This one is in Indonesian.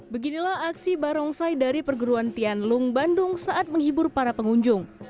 beginilah aksi barongsai dari perguruan tianlung bandung saat menghibur para pengunjung